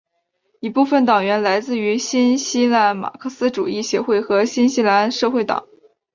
一部分党员来自于新西兰马克思主义协会和新西兰社会党。